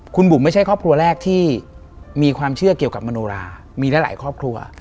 คุณบุ๋มไม่ใช่ครอบครัวแรกที่มีความเชื่อเกี่ยวกับมโนรามีหลายครอบครัว